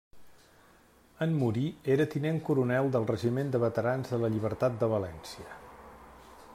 En morir era tinent coronel del Regiment de Veterans de la Llibertat de València.